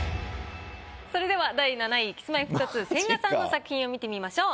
それでは第７位Ｋｉｓ−Ｍｙ−Ｆｔ２千賀さんの作品を見てみましょう。